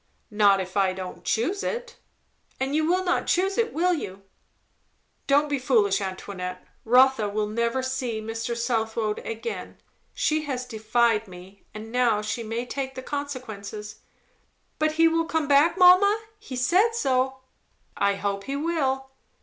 "Not if I don't choose it," "And you will not choose it, will you?" "Don't be foolish, Antoinette. Rotha will never see Mr. Southwode again. She has defied me, and now she may take the consequences." "But he will come back, mamma? He said so." "I hope he will."